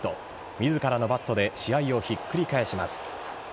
自らのバットで試合をひっくり返します。